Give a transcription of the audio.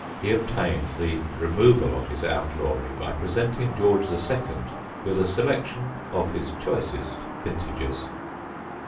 He obtained the removal of his outlawry by presenting George II. with a selection of his choicest vintages.